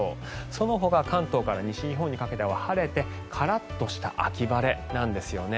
そのほか、関東から西日本にかけては晴れてカラッとした秋晴れなんですね。